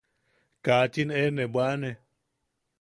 –Kaachin e nee bwaʼane.